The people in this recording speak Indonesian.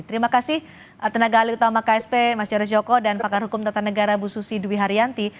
terima kasih tenaga alih utama ksp mas jaros joko dan pakar hukum tata negara bu susi dwi haryanti